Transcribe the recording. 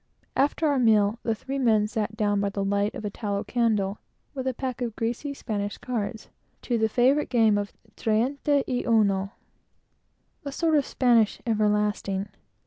After our meal, the three men sat down by the light of a tallow candle, with a pack of greasy Spanish cards, to the favorite game of "treinta uno," a sort of Spanish "everlasting."